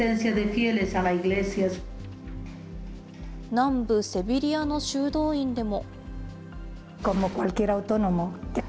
南部セビリアの修道院でも。